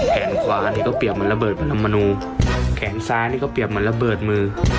แขนขวานี่ก็เปรียบเหมือนระเบิดเหมือนธรรมนูแขนซ้ายนี่ก็เปรียบเหมือนระเบิดมือ